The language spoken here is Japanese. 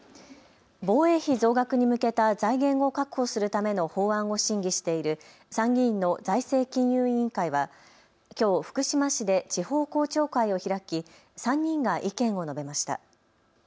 防衛費増額に向けた財源を確保するための法案を審議している参議院の財政金融委員会はきょう福島市で地方公聴会を開き、３人が意見を述べました。